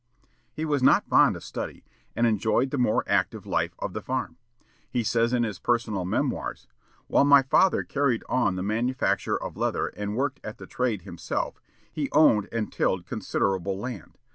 He was not fond of study, and enjoyed the more active life of the farm. He says in his personal memoirs: "While my father carried on the manufacture of leather and worked at the trade himself, he owned and tilled considerable land.